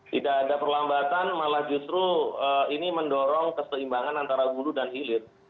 tidak ada perlambatan malah justru ini mendorong keseimbangan antara hulu dan hilir